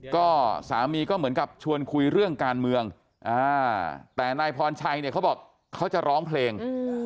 ก็สามีก็เหมือนกับชวนคุยเรื่องการเมืองแต่นายพรชัยเนี่ยเขาบอกเขาจะร้องเพลง